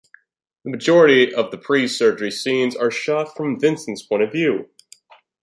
The majority of the pre-surgery scenes are shot from Vincent's point of view.